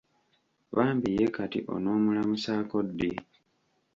Bambi ye kati onomulamusaako ddi?